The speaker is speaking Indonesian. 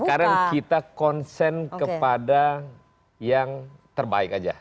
sekarang kita konsen kepada yang terbaik aja